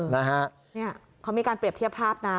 นี่เค้ามีการเปรียบเทียบภาพนะ